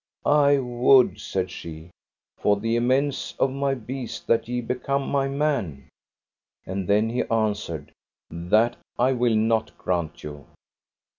I would, said she, for the amends of my beast that ye become my man. And then he answered: That will I not grant you.